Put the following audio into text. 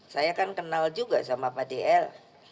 saya kan kenal juga sama pak dl